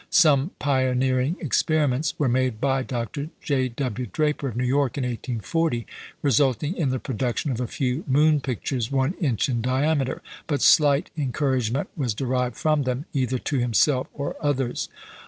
Some "pioneering experiments" were made by Dr. J. W. Draper of New York in 1840, resulting in the production of a few "moon pictures" one inch in diameter; but slight encouragement was derived from them, either to himself or others.